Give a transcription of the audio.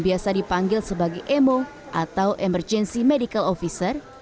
bisa dipanggil sebagai mo atau emergency medical officer